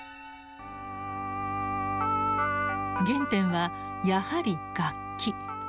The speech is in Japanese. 原点はやはり楽器。